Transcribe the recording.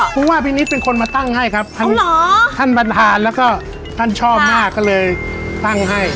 ผู้ว่าพี่นิดเป็นคนมาตั้งให้ครับท่านบรรทานแล้วก็ท่านชอบมากก็เลยตั้งให้